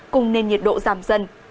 cùng nên nhiệt độ giảm dần